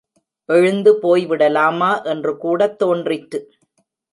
எழுந்து போய்விடலாமா என்று கூடத் தோன்றிற்று.